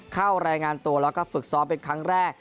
เข้ารายงานตัวแล้วก็ฝึกซ้อมเป็นครั้งแรก